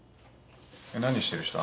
何してる人？